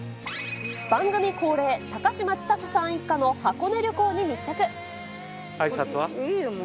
番組恒例、高嶋ちさ子さん一家の箱根旅行に密着。